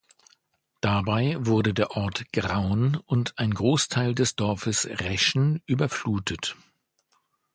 Dabei wurden der Ort Graun und ein Großteil des Dorfes Reschen überflutet.